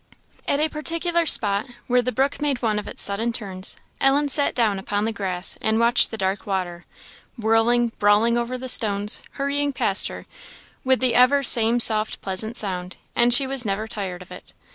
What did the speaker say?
At a particular spot, where the brook made one of its sudden turns, Ellen sat down upon the grass, and watched the dark water whirling, brawling over the stones, hurrying past her, with ever the same soft, pleasant sound and she was never tired of it.